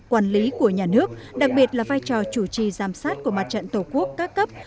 quản lý của nhà nước đặc biệt là vai trò chủ trì giám sát của mặt trận tổ quốc các cấp